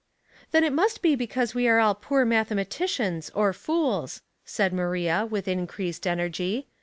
"Then it must be because we are all poor mathematicians, or fools," said Maria, with in creased energy.